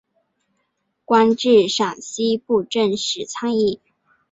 官至陕西布政使参议。